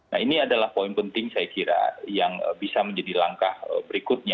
nah ini adalah poin penting saya kira yang bisa menjadi langkah berikutnya